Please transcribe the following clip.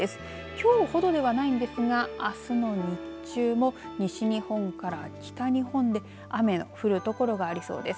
きょうほどではないんですがあすの日中も西日本から北日本で雨の降る所がありそうです。